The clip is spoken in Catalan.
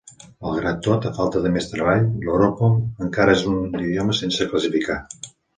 Malgrat tot, a falta de més treball, l'Oropom encara és un idioma sense classificar.